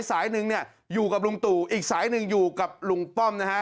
สายหนึ่งเนี่ยอยู่กับลุงตู่อีกสายหนึ่งอยู่กับลุงป้อมนะฮะ